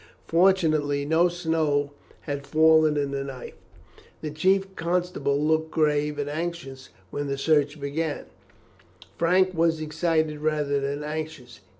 Fortunately no snow had fallen in the night. The chief constable looked grave and anxious when the search began; Frank was excited rather than anxious.